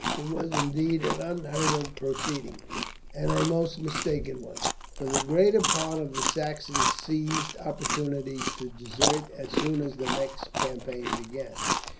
It was indeed an unheard of proceeding, and a most mistaken one, for the greater part of the Saxons seized opportunities to desert, as soon as the next campaign began.